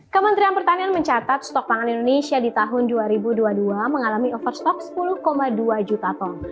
kementerian pertanian mencatat stok pangan indonesia di tahun dua ribu dua puluh dua mengalami overstock sepuluh dua juta ton